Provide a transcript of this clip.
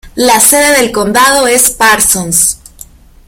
La sede del condado es Parsons.